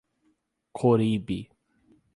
Coribe